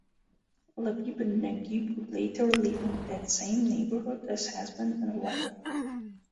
Labib and Naguib would later live in that same neighbourhood as husband and wife.